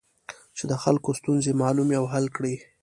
چې د خلکو ستونزې معلومې او حل کړي.